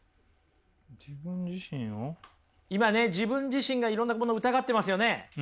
今ね自分自身がいろんなこの疑ってますよね。